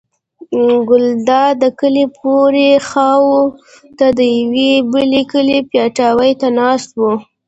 ګلداد د کلي پورې خوا ته د یوه بل کلي پیتاوي ته ناست و.